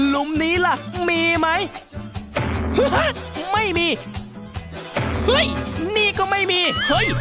ลุมนี้ล่ะมีไหมไม่มีเฮ้ยนี่ก็ไม่มีเฮ้ย